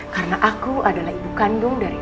karena aku adalah ibu kandung dari abi